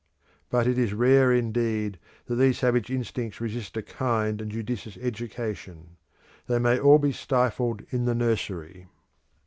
But it is rare indeed that these savage instincts resist a kind and judicious education; they may all be stifled in the nursery.